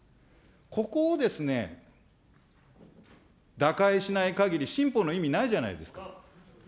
ここをですね、打開しないかぎり、新法の意味、ないじゃないですか。